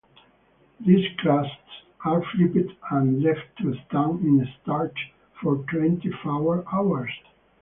These crusts are flipped and left to stand in starch for twenty-four hours.